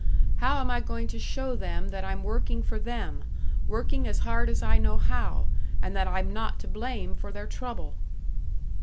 How am I going to show them that I'm working for them working as hard as I know how and that I'm not to blame for their trouble?'"